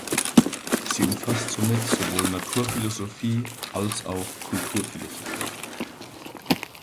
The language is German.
Sie umfasst somit sowohl Naturphilosophie "als auch" Kulturphilosophie.